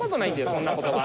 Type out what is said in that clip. そんな言葉。